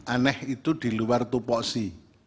aneh itu di luar tupoksi